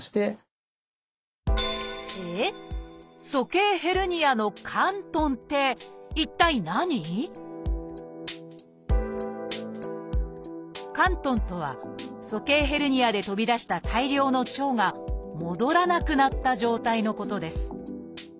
鼠径ヘルニアの「嵌頓」とは鼠径ヘルニアで飛び出した大量の腸が戻らなくなった状態のことです。